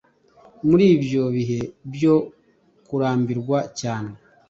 muri ibyo bihe byo kurambirwa cyane